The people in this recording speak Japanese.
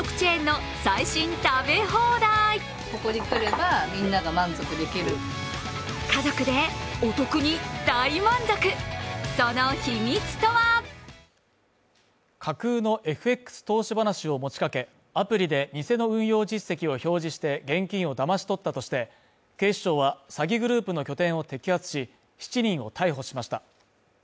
わかるぞ架空のＦＸ投資話を持ちかけ、アプリで偽の運用実績を表示して現金をだまし取ったとして、警視庁は詐欺グループの拠点を摘発し、７人を逮捕しました。